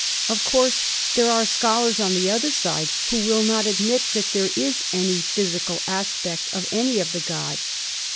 Of course there are scholars on the other side who will not admit that there is any physical aspect of any of the gods.